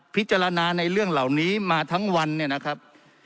พิจารณาในเรื่องเหล่านี้มาทั้งวันเนี่ยนะครับ